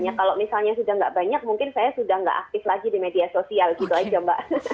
ya kalau misalnya sudah nggak banyak mungkin saya sudah tidak aktif lagi di media sosial gitu aja mbak